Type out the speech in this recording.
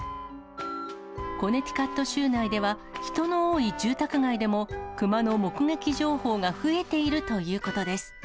コネティカット州内では、人の多い住宅街でも熊の目撃情報が増えているということです。